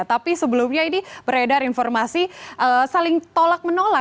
tapi sebelumnya ini beredar informasi saling tolak menolak